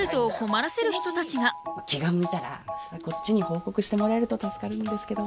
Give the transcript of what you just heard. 気が向いたらこっちに報告してもらえると助かるんですけど。